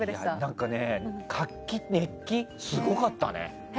何かね活気、熱気がすごかったね。